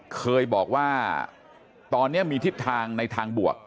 เคยบอกว่าตอนนี้มีทิศทางในทางบวก